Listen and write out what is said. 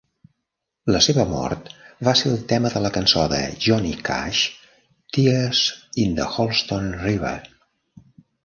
La seva mort va ser el tema de la cançó de Johnny Cash "Tears in the Holston River".